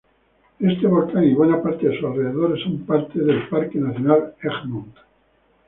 Este volcán y buena parte de sus alrededores son parte del Parque Nacional Egmont.